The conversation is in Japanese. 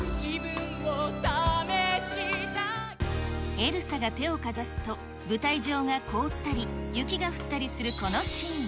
エルサが手をかざすと、舞台上が凍ったり、雪が降ったりするこのシーン。